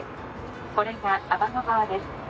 これが天の川です。